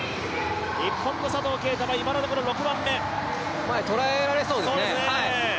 日本の佐藤圭汰は今のところ６番目前、捉えられそうですね。